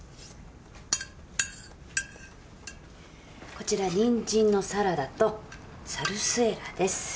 こちらニンジンのサラダとサルスエラです。